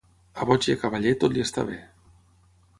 A boig i a cavaller, tot li està bé.